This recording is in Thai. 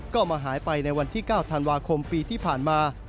ก็มาหายไปในวันที่๙ธันวาคมปีที่ผ่านมา